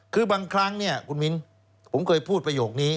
คือบางครั้งเนี่ยคุณมิ้นผมเคยพูดประโยคนี้